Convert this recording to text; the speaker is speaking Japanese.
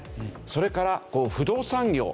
それから不動産業。